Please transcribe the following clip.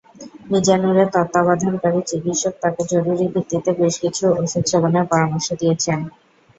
মিজানুরের তত্ত্বাবধানকারী চিকিৎসক তাঁকে জরুরি ভিত্তিতে বেশ কিছু ওষুধ সেবনের পরামর্শ দিয়েছেন।